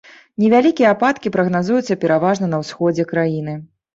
Невялікія ападкі прагназуюцца пераважна на ўсходзе краіны.